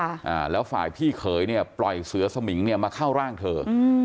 อ่าแล้วฝ่ายพี่เขยเนี่ยปล่อยเสือสมิงเนี้ยมาเข้าร่างเธออืม